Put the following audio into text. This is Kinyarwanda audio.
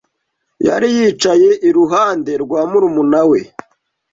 Yari yicaye iruhande rwa murumuna we.